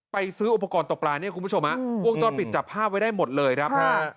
ซื้ออุปกรณ์ตกปลาเนี่ยคุณผู้ชมฮะวงจรปิดจับภาพไว้ได้หมดเลยครับ